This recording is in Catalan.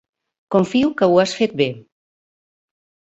Confio que ho has fet bé.